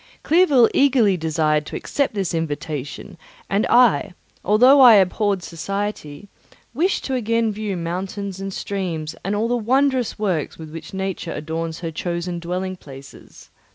Clerval eagerly desired to accept this invitation, and I, although I abhorred society, wished to view again mountains and streams and all the wondrous works with which Nature adorns her chosen dwelling places.